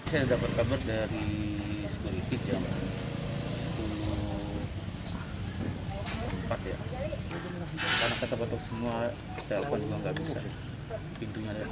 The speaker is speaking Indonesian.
semua telpon juga gak bisa